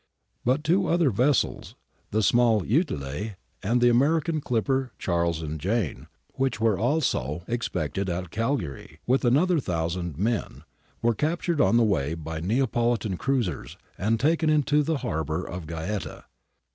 But two other vessels, the small Utile and the American clipper Charles and Jane, which were also expected at Cagliari with another thousand men, were captured on the way by Neapolitan cruisers, and taken into the harbour of Gaeta.